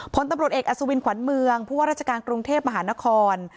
ผลตำรวจเอกอัศวินขวัญเมืองผู้ว่าราชการกรุงเทพมหานคร